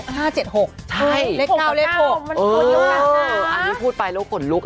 เลข๙มันคนนึงนะคะเอออันนี้พูดไปแล้วกดลุก